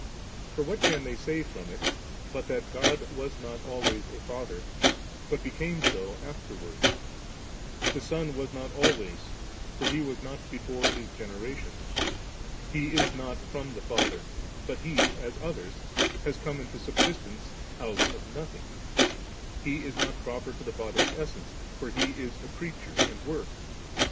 For what can they say from it, but that * God was not always a Father, but became so afterwards; tiie Son was not always, for He was not before His generation; He is not from the Fathei; but He, as others, has come into sub sistence out of nothing ; He is not proper to the Father's essence, for He is a creature and work?'